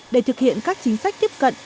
để thực hiện các chính sách tiếp cận